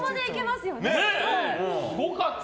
すごかった。